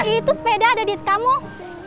itu sepeda ada di kamu